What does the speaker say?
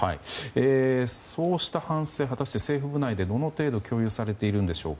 そうした反省、果たして政府内でどの程度共有されているんでしょうか。